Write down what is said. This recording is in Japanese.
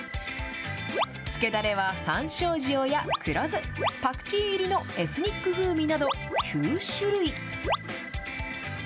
つけだれは、さんしょう塩や黒酢、パクチー入りのエスニック風味など、９種類。